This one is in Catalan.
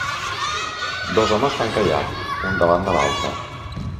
Dos homes fan caiac, un davant de l'altre.